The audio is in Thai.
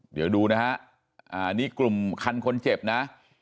เดี๋ยวดูนะฮะนี่กลุ่มคันคนเจ็บนะ